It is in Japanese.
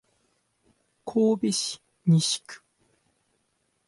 神戸市西区